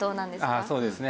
ああそうですね。